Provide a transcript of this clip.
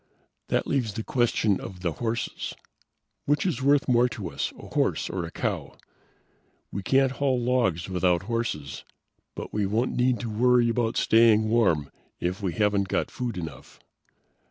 "That leaves the question of the horses. Which is worth more to us: a horse or a cow? We can't haul logs without horses, but we won't need to worry about staying warm if we haven't got food enough."